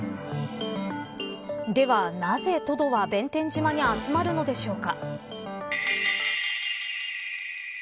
では、なぜトドは弁天島に集まるのでしょうか。